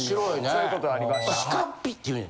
そういう事ありましたね。